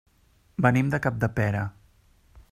Venim de Capdepera.